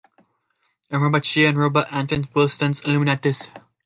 In Robert Shea and Robert Anton Wilson's Illuminatus!